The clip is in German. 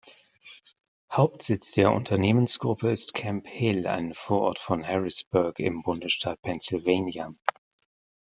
Hauptsitz der Unternehmensgruppe ist Camp Hill, ein Vorort von Harrisburg im Bundesstaat Pennsylvania.